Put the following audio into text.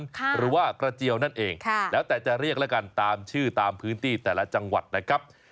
หรือว่ากระเจียวนั่นเองแล้วแต่จะเรียกแล้วกันตามชื่อตามพื้นที่แต่ละจังหวัดนะครับ